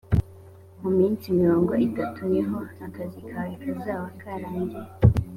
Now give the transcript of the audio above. mu minsi mirongo itatu niho akazi kawe kazaba karangiye